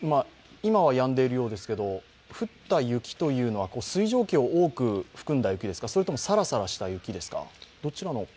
今はやんでいるようですけれども、降った雪は水蒸気を多く含んだ雪ですか、それともさらさらした雪ですか？